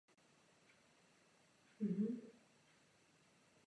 Objevila se v několika televizních filmech a vystupovala v divadlech.